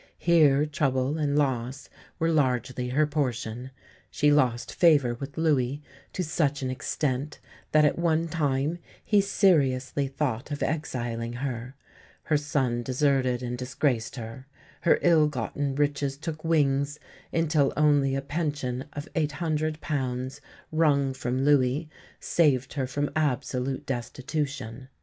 Here trouble and loss were largely her portion. She lost favour with Louis to such an extent that, at one time, he seriously thought of exiling her; her son deserted and disgraced her; her ill gotten riches took wings, until only a pension of £800, wrung from Louis, saved her from absolute destitution.